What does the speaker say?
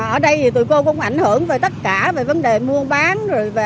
ở đây thì tụi cô cũng ảnh hưởng về tất cả về vấn đề mua bán rồi